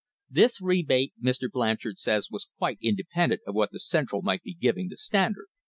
This rebate Mr. Blanchard says was quite independent of what the Cen tral might be giving the Standard.